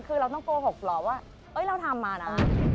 คือเราต้องโกหกรอว่าเราทำมานะ